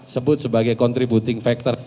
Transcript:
sebut sebagai contributing factor